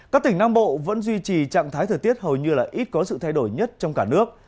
các tỉnh nam bộ vẫn duy trì trạng thái thời tiết hầu như là ít có sự thay đổi nhất trong cả nước